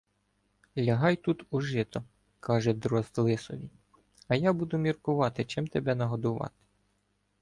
- Лягай тут у жито, - каже Дрозд Лисові, - а я буду міркувати, чим тебе нагодувати.